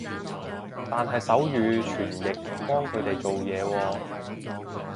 但係手語傳譯幫佢哋做嘢喎